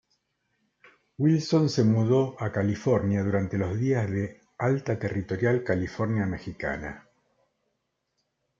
Wilson se mudó a California durante los días de Alta territorial California mexicana.